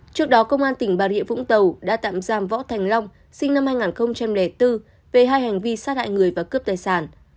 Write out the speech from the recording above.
trước đó công an tỉnh bà rịa vũng tàu đã tạm giam võ thành long sinh năm hai nghìn bốn về hai hành vi sát hại người và cướp tài sản